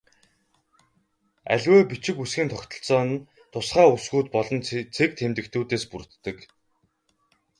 Аливаа бичиг үсгийн тогтолцоо нь тусгай үсгүүд болон цэг тэмдэгтүүдээс бүрддэг.